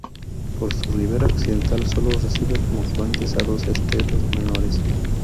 Por su ribera occidental sólo recibe como afluentes a dos esteros menores.